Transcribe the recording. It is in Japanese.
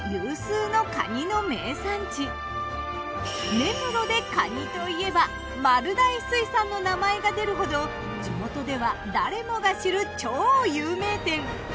根室でかにといえばマルダイ水産の名前が出るほど地元では誰もが知る超有名店。